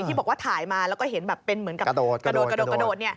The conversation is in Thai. ที่บอกว่าถ่ายมาแล้วก็เห็นแบบเป็นเหมือนกับกระโดดกระโดด